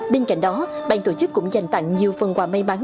bên cạnh đó bang tổ chức cũng dành tặng nhiều phần quà may mắn